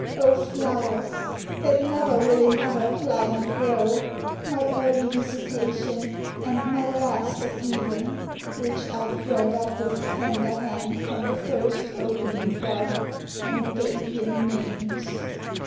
O flowers, That never will in other climate grow, My early visitation, and my last At even, which I bred up with tender hand From the first opening bud, and gave ye names!